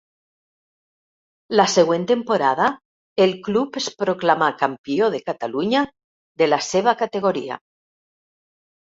La següent temporada el club es proclamà campió de Catalunya de la seva categoria.